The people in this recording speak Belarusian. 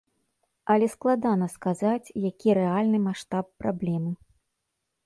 Але складана сказаць, які рэальны маштаб праблемы.